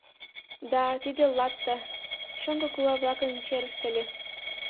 Да, тиде латта — шоҥго кува-влакын черышт ыле.